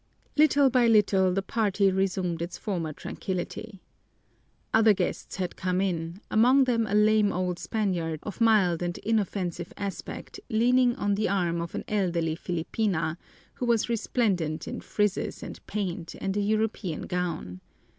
Little by little the party resumed its former tranquillity. Other guests had come in, among them a lame old Spaniard of mild and inoffensive aspect leaning on the arm of an elderly Filipina, who was resplendent in frizzes and paint and a European gown.